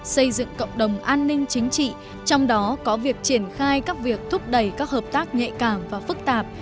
xây dựng cộng đồng an ninh chính trị trong đó có việc triển khai các việc thúc đẩy các hợp tác nhạy cảm và phức tạp